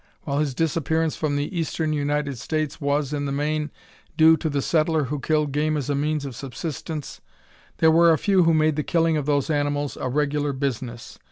While his disappearance from the eastern United States was, in the main, due to the settler who killed game as a means of subsistence, there were a few who made the killing of those animals a regular business.